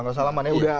enggak salaman ya